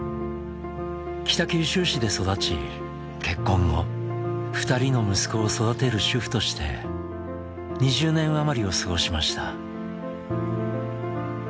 北九州市で育ち結婚後２人の息子を育てる主婦として２０年余りを過ごしました。